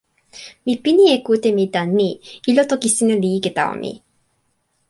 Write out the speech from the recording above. mi pini e kute mi tan ni: ilo toki sina li ike tawa mi.